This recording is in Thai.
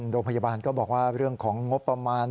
โดยพยาบาลก็บอกว่าเรื่องของงบประมาณ